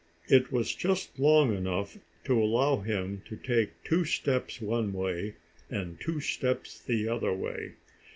It was just long enough to allow him to take two steps one way, and two steps the other way.